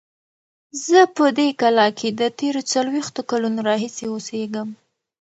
زه په دې کلا کې د تېرو څلوېښتو کلونو راهیسې اوسیږم.